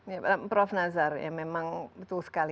ya prof nazar ya memang betul sekali